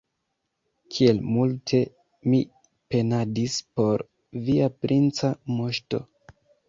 Kiel multe mi penadis por via princa moŝto!